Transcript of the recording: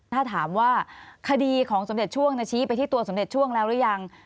ถ้าถามว่าคดีของสมเด็จช่วงชี้ไปที่ตัวสมเด็จช่วงแล้วหรือยัง